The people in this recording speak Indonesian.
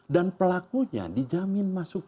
dan pelakunya dijamin masuk